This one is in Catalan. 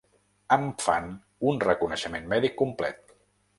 Em fan un reconeixement mèdic complet.